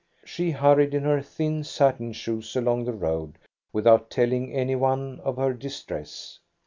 She hurried in her thin satin shoes along the road without telling any one of her distress.